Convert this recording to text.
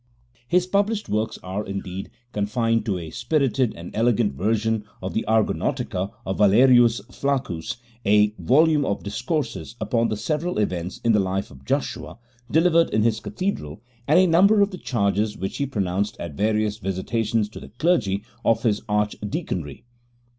His published works are, indeed, confined to a spirited and elegant version of the Argonautica of Valerius Flaccus, a volume of Discourses upon the Several Events in the Life of Joshua, delivered in his Cathedral, and a number of the charges which he pronounced at various visitations to the clergy of his Archdeaconry.